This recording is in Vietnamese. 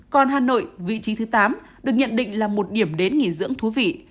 còn hà nội vị trí thứ tám được nhận định là một điểm đến nghỉ dưỡng thú vị